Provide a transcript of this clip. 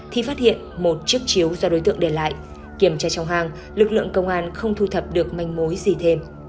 thì phát hiện một chiếc chiếu do đối tượng để lại kiểm tra trong hàng lực lượng công an không thu thập được manh mối gì thêm